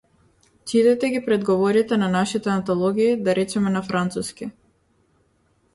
Читајте ги предговорите на нашите антологии, да речеме на француски.